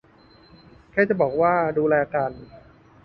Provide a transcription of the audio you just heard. แค่จะบอกว่า ดูแลกัน